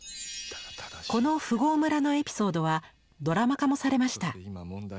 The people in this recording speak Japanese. この「富豪村」のエピソードはドラマ化もされました。